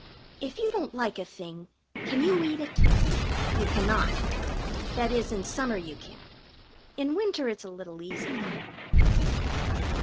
If you don't like a thing, can you eat it? You cannot. That is, in summer you can't. In winter it's a little easier.